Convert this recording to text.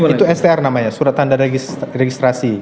itu str namanya surat tanda registrasi